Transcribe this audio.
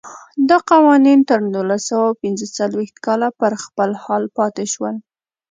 دا قوانین تر نولس سوه پنځه څلوېښت کاله پر خپل حال پاتې شول.